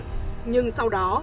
nhưng sau đó